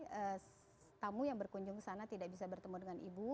tamu yang berkunjung ke sana tidak bisa bertemu dengan ibu